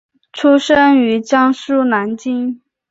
出生于江苏南京。